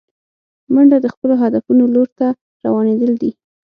منډه د خپلو هدفونو لور ته روانېدل دي